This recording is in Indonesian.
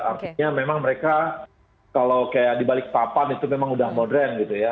artinya memang mereka kalau kayak di balik papan itu memang sudah modern gitu ya